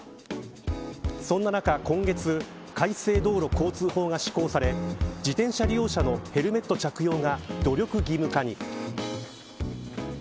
そんな中、今月改正道路交通法が施行され自転車利用者のヘルメット着用が努力義務化に。